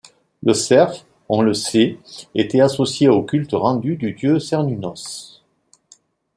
Le cerf, on le sait était associé au culte rendu du dieu Cernunnos.